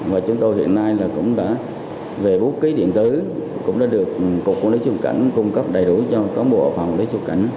và chúng tôi hiện nay cũng đã về bút ký điện tử cũng đã được cục quản lý sưu nhiệt ảnh cung cấp đầy đủ cho cán bộ phòng quản lý sưu nhiệt ảnh